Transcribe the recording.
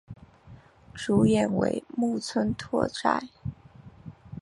主演为木村拓哉。